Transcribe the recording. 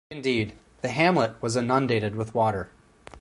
Indeed, the hamlet was inundated with water.